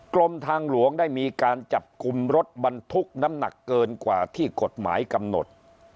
กรมทางหลวงได้มีการจับกลุ่มรถบรรทุกน้ำหนักเกินกว่าที่กฎหมายกำหนด